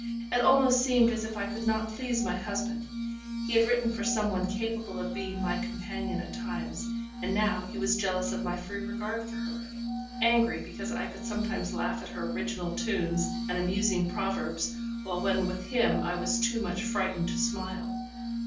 It almost seemed as if I could not please my husband. He had written for some one capable of being my companion at times, and now he was jealous of my free regard for her angry because I could sometimes laugh at her original tunes and amusing proverbs, while when with him I was too much frightened to smile.